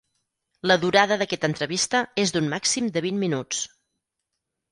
La durada d'aquesta entrevista és d'un màxim de vint minuts.